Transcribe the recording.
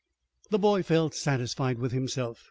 The boy felt satisfied with himself.